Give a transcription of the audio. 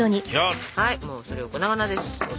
はいもうそれを粉々です。